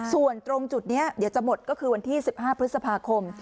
ส่วนตรงจุดนี้เดี๋ยวจะหมดก็คือวันที่๑๕พฤษภาคม